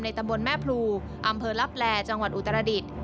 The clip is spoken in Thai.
ตำบลแม่พลูอำเภอลับแลจังหวัดอุตรดิษฐ์